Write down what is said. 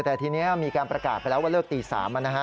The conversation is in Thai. แต่ทีนี้มีการประกาศไปแล้วว่าเลิกตี๓นะฮะ